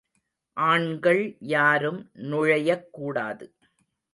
ஆண்கள் யாரும் நுழையக்கூடாது.